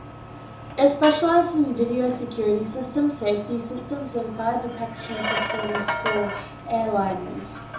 It specialises in video security systems, safety systems and fire detection systems for airliners.